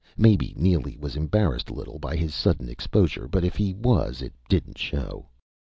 Maybe Neely was embarrassed a little by his sudden exposure; but if he was, it didn't show.